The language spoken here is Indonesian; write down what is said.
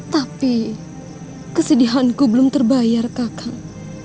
tapi kesedihan ku belum terbayar kakang